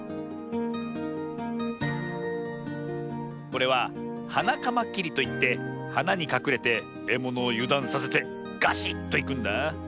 これはハナカマキリといってはなにかくれてえものをゆだんさせてガシッといくんだ。